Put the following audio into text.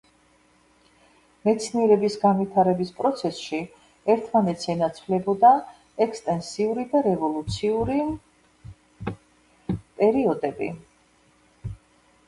მეცნიერების განვითარების პროცესში ერთმანეთს ენაცვლებოდა ექსტენსიური და რევოლუციური პერიოდები.